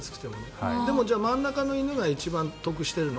じゃあ、真ん中の犬が一番得してるの？